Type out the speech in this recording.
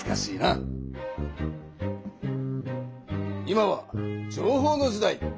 今は情報の時代。